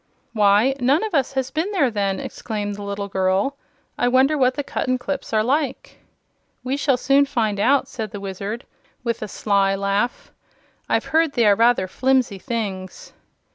"Why, none of us has been there, then," exclaimed the little girl. "I wonder what the Cuttenclips are like." "We shall soon find out," said the Wizard, with a sly laugh. "I've heard they are rather flimsy things."